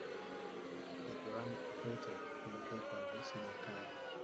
ridhwan kikwete ni mtoto wa raisi wa jakaya